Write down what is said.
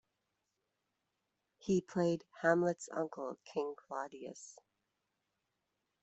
He played Hamlet's uncle, King Claudius.